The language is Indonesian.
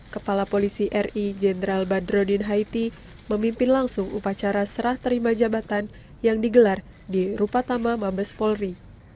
kepala polisi ri jenderal badrodin haiti memimpin langsung upacara serah terima jabatan yang digelar di rupatama mabes polri